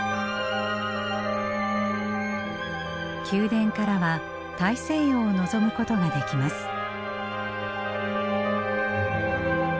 宮殿からは大西洋を望むことができます。